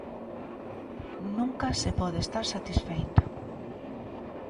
Nunca se pode estar satisfeito.